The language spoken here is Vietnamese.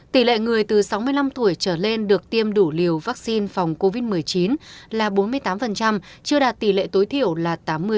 tỷ lệ người từ sáu mươi năm tuổi trở lên được tiêm đủ liều vaccine phòng covid một mươi chín là bốn mươi tám chưa đạt tỷ lệ tối thiểu là tám mươi